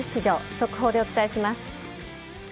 速報でお伝えします。